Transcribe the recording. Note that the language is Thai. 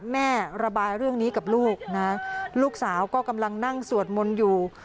แม่ระบายเรื่องนี้กับลูกนะลูกสาวก็กำลังนั่งสวดมนต์อยู่